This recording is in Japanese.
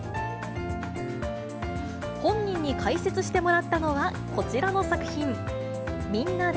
本人に解説してもらったのは、こちらの作品。